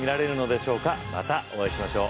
またお会いしましょう。